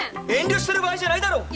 遠慮してる場合じゃないだろ！